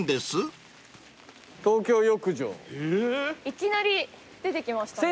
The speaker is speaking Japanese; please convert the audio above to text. いきなり出てきましたね。